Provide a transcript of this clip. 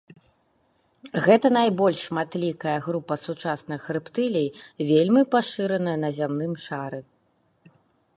Гэта найбольш шматлікая група сучасных рэптылій, вельмі пашыраная на зямным шары.